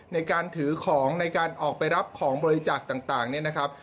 ในการถือของในการออกไปรับของบริจาคต่างเนี่ยนะครับ